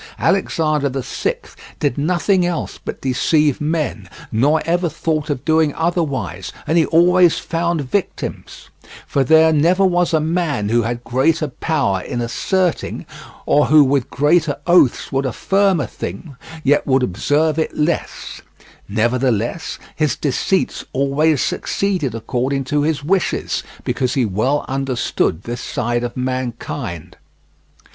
Alexander the Sixth did nothing else but deceive men, nor ever thought of doing otherwise, and he always found victims; for there never was a man who had greater power in asserting, or who with greater oaths would affirm a thing, yet would observe it less; nevertheless his deceits always succeeded according to his wishes, because he well understood this side of mankind.